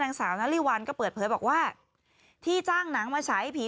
นางสาวนาริวัลก็เปิดเผยบอกว่าที่จ้างหนังมาใช้ผี